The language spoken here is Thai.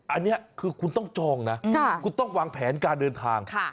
อันนี้คือคุณต้องจองนะคุณต้องวางแผนการเดินทาง